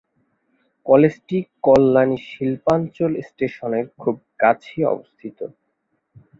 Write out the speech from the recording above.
কলেজটি কল্যাণী শিল্পাঞ্চল স্টেশনের খুব কাছেই অবস্থিত।